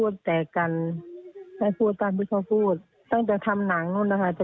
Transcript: โดนถอดออกเพราะว่ามันไม่มีเกษตร